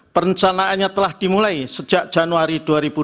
perencanaannya telah dimulai sejak januari dua ribu dua puluh